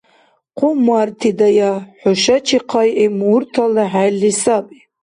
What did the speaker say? Хъуммартидая, хӀушачи хъайгӀиб мурталра хӀерли саби.